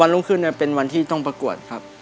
วันลงคืนเนี่ยเป็นวันที่ต้องประกวดครับ